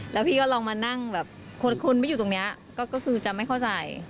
แล้วพี่ก็ลองมานั่งแบบคนไม่อยู่ตรงนี้ก็คือจะไม่เข้าใจ